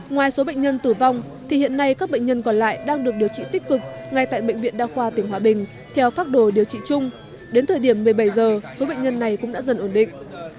ngoài số bệnh nhân tử vong thì hiện nay các bệnh nhân còn lại đang được điều trị tích cực ngay tại bệnh viện đa khoa tỉnh hòa bình theo phác đồ điều trị chung đến thời điểm một mươi bảy giờ số bệnh nhân này cũng đã dần ổn định